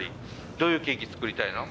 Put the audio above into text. どういうケーキ作りたいの？